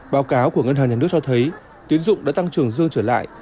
báo cáo của ngân hàng nhà nước cho thấy tiến dụng đã tăng trưởng dương trở lại